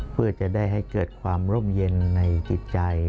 เพื่อจะได้ให้เกิดความร่มเย็นในจิตใจ